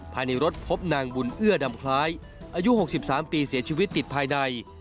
ภายในรถพบนางบุญเอื้อดำคล้ายอายุ๖๓ปีเสียชีวิตติดภายใน